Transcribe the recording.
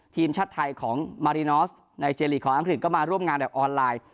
ทีมชาติไทยของมารินอสในเจลีกของอังกฤษก็มาร่วมงานแบบออนไลน์